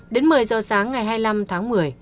đến một mươi giờ sáng ngày hai mươi năm tháng một mươi